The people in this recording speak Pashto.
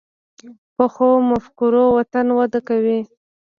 پخو مفکورو وطن وده کوي